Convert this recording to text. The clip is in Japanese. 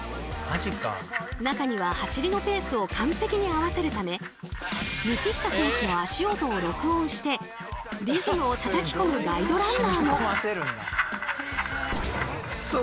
中には走りのペースを完璧に合わせるため道下選手の足音を録音してリズムをたたき込むガイドランナーも。